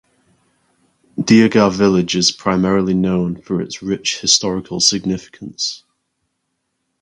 Deogarh village is primarily known for its rich historical significance.